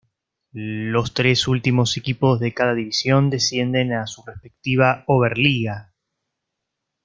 Los tres últimos equipos de cada división descienden a su respectiva Oberliga.